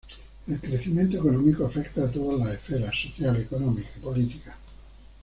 El crecimiento económico afecta a todas las esferas: social, económica, política...